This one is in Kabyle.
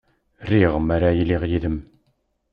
Riɣ mi ara iliɣ yid-m.